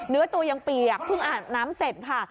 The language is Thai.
เนื้อตัวยังเปียกเพิ่งอาบน้ำเสร็จค่ะ